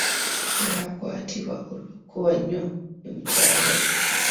Yakwatibwa olw'okukuba ennyo mukyala we.